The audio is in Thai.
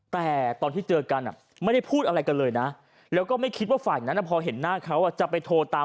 แต่ที่เจอกันไม่ได้พูดอะไรกันเลยนะ